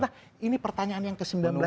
nah ini pertanyaan yang ke sembilan belas